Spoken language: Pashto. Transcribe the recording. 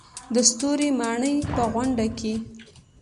د ستوري ماڼۍ په غونډه کې.